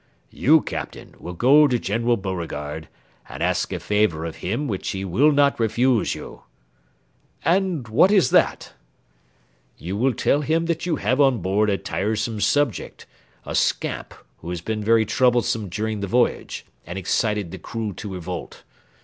You, Captain, will go to General Beauregard, and ask a favour of him which he will not refuse you." "And what is that?" "You will tell him that you have on board a tiresome subject, a scamp who has been very troublesome during the voyage, and excited the crew to revolt.